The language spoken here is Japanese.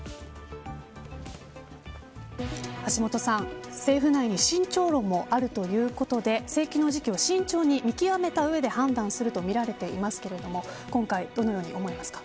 橋下さん、政府内に慎重論もあるということで請求の時期を慎重に見極めた上で判断するとみられていますけれども今回、どのように思いますか。